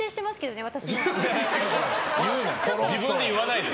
自分で言わないで。